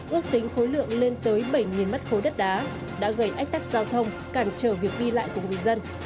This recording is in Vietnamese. ước tính khối lượng lên tới bảy mắt khối đất đá đã gây ách tắc giao thông cản trở việc đi lại cùng người dân